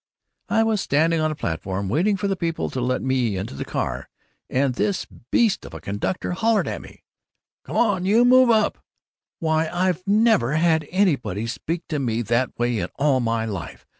"I was standing on the platform waiting for the people to let me into the car, and this beast, this conductor, hollered at me, 'Come on, you, move up!' Why, I've never had anybody speak to me that way in all my life!